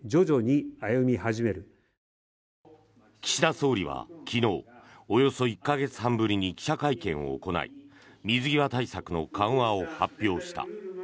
岸田総理は昨日およそ１か月半ぶりに記者会見を行い水際対策の緩和を発表した。